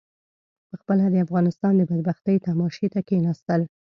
پخپله د افغانستان د بدبختۍ تماشې ته کېنستل.